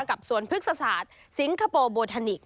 กับสวนพฤกษศาสตร์สิงคโปร์โบทานิกส